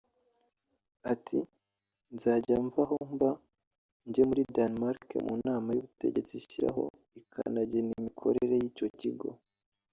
Ati «Nzajya mva aho mba njye muri Danemark mu nama y’ubutegetsi ishyiraho ikanagena imikorere y’icyo kigo